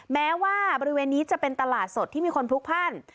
แม้ว่าบริเวณนี้จะเป็นตลาดสดที่มีคนพลุกพั่น